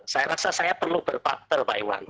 saya rasa saya perlu berpakter pak iwan